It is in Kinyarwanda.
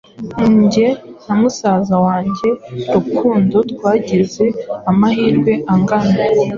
Nge na musaza wange Rukundo twagize amahirwe angana.